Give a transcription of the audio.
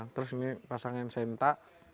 terus ini pasangin senta